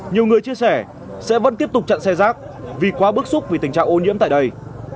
nhiều người chia sẻ sẽ vẫn tiếp tục chặn xe rác vì quá bức xúc vì tình trạng ô nhiễm tại đây